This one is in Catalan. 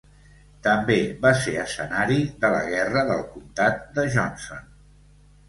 També va ser escenari de la guerra del comtat de Johnson.